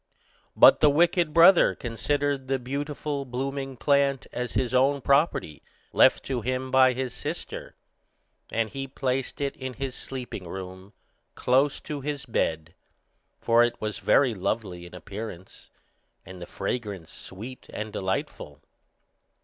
But the wicked brother considered the beautiful blooming plant as his own property, left to him by his sister, and he placed it in his sleeping room, close by his bed, for it was very lovely in appearance, and the fragrance sweet and delightful.